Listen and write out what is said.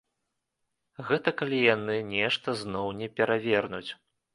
Гэта калі яны нешта зноў не перавернуць.